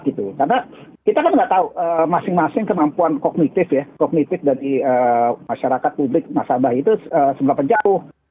karena kita kan nggak tahu masing masing kenampuan kognitif dari masyarakat publik nasabah itu sebelah penjauh